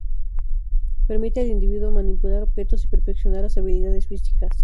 Permite al individuo manipular objetos y perfeccionar las habilidades físicas.